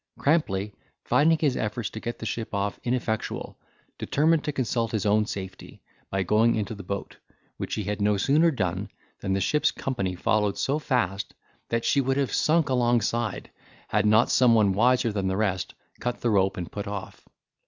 Crampley, finding his efforts to get the ship off ineffectual, determined to consult his own safety, by going into the boat, which he had no sooner done, than the ship's company followed so fast, that she would have sunk alongside, had not some one wiser than the rest cut the rope and put off.